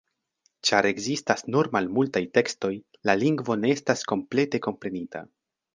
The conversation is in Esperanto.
Ĉar ekzistas nur malmultaj tekstoj, la lingvo ne estas komplete komprenita.